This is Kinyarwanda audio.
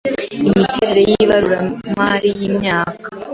imiterere y ibaruramari y imyaka